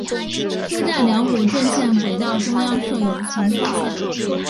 车站两股正线轨道中央设有存车线。